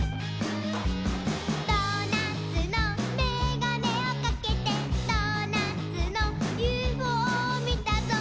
「ドーナツのメガネをかけてドーナツのＵＦＯみたぞ」